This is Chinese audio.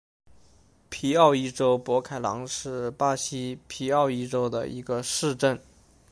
皮奥伊州博凯朗是巴西皮奥伊州的一个市镇。